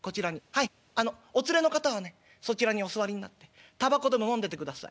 はいあのお連れの方はねそちらにお座りになってたばこでものんでてください。